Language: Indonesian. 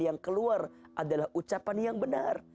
yang keluar adalah ucapan yang benar